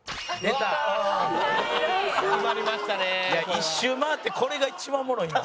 一周回ってこれが一番おもろいな。